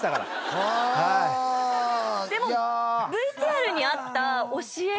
でもＶＴＲにあった教え。